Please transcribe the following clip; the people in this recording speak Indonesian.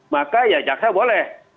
maka ya jaksa boleh